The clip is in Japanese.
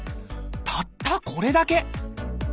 たったこれだけ！